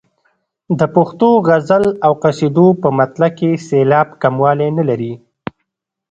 د پښتو غزل او قصیدو په مطلع کې سېلاب کموالی نه لري.